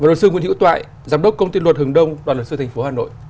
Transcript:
và luật sư nguyễn hữu toại giám đốc công ty luật hường đông đoàn luật sư thành phố hà nội